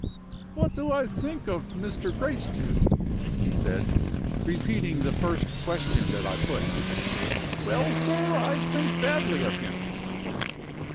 "What do I think of Mr. Gracedieu?" he said, repeating the first question that I put. "Well, sir, I think badly of him."